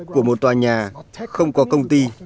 của một tòa nhà không có công ty